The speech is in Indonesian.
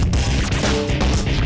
nggak akan ngediam nih